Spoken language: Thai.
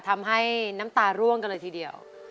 ทำให้น้ำตาร่วงกันเลยทีเดียว